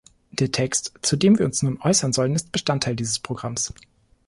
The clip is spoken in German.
Der Text, zu dem wir uns nun äußern sollen, ist Bestandteil dieses Programms.